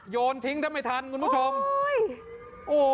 โยนทิ้งแทบไม่ทันคุณผู้ชมโอ้โห